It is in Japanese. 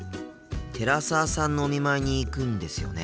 寺澤さんのお見舞いに行くんですよね？